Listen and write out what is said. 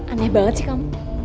aneh banget sih kamu